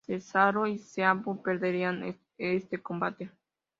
Cesaro y Sheamus perderían este combate.